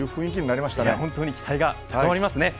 本当に期待が高まりますね。